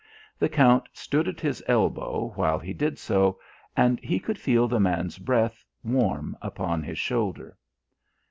The Count stood at his elbow while he did so, and he could feel the man's breath warm upon his shoulder.